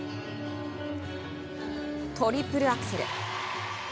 トリプルアクセル。